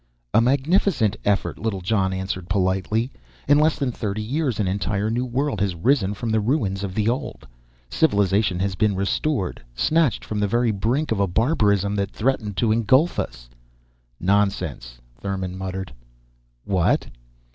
"A magnificent effort," Littlejohn answered politely. "In less than thirty years an entire new world has risen from the ruins of the old. Civilization has been restored, snatched from the very brink of a barbarism that threatened to engulf us." "Nonsense," Thurmon murmured. "What?"